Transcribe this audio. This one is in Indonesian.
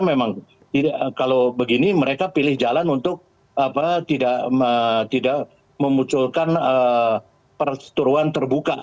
memang kalau begini mereka pilih jalan untuk apa tidak ma tidak memunculkan perusahaan terbuka